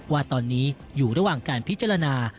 ว่าตอนนี้อยู่ระหว่างการพิจารณา